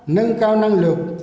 nâng cao năng lực